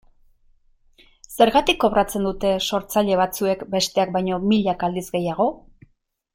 Zergatik kobratzen dute sortzaile batzuek bestek baino milaka aldiz gehiago?